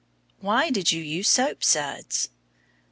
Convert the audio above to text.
Why did you use soap suds?